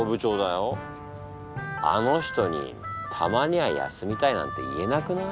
あの人に「たまには休みたい」なんて言えなくない？